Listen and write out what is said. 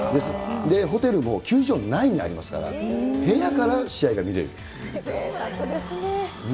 ホテルも球場内にありますから、ぜいたくですね。